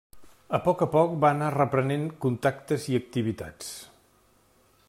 A poc a poc va anar reprenent contactes i activitats.